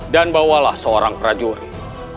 dan bawalah seorang prajurit